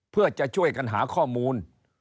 เพื่อจะช่วยกันหาข้อมูล